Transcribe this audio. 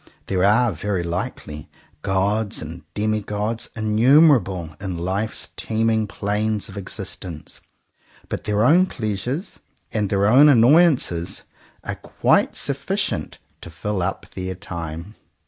There are, very likely, gods and demi gods innumerable, in life's teeming planes of existence, but their own pleasures and their own annoyances are quite sufficient to fill up their time.